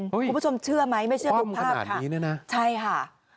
คุณผู้ชมเชื่อไหมไม่เชื่อทุกภาพแบบนี้เนี่ยนะใช่ค่ะ